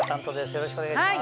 よろしくお願いします。